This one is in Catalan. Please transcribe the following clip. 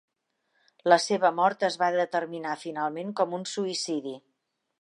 La seva mort es va determinar finalment com un suïcidi.